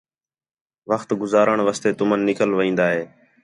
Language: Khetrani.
وخت گُزارݨ واسطے تُمن نِکل وین٘دا ہِے